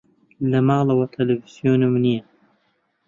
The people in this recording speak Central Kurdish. لە ماڵەوە تەلەڤیزیۆنم نییە.